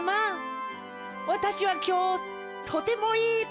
わたしはきょうとてもいいことをしました。